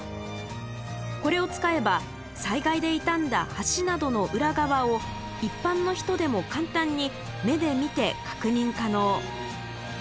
これを使えば災害で傷んだ橋などの裏側を一般の人でも簡単に目で見て確認可能。